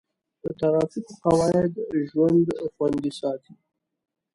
د ټرافیک قواعد د ژوند خوندي ساتي.